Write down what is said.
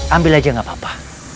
ambil aja gak apa apa